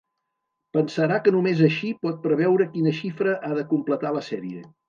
Pensarà que només així pot preveure quina xifra ha de completar la sèrie.